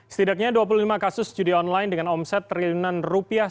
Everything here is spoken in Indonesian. setidaknya dua puluh lima kasus judi online dengan omset triliunan rupiah